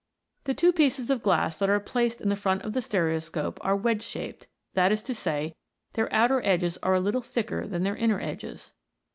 The two pieces of glass that are placed in the front of the stereoscope are wedge shaped, that is to say, their outer edges are a little thicker than their inner edges.